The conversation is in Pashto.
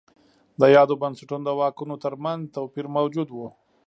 د یادو بنسټونو د واکونو ترمنځ توپیر موجود و.